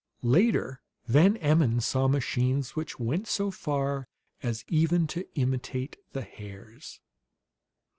(Later, Van Emmon saw machines which went so far as even to imitate the hairs.)